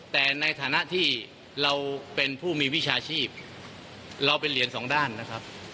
แต่ในฐานะที่เราเป็นผู้มีวิชาชีพเราเป็นเหรียญสองด้านนะครับ